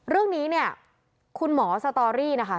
เรื่องนี้เนี่ยคุณหมอสตอรี่นะคะ